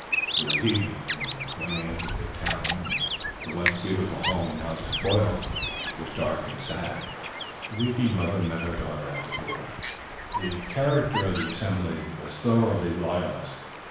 It was evening, and when they entered the town and the once beautiful home now despoiled, was dark and sad. The weeping mother met her daughter at the door. The character of the assembly was thoroughly royalist.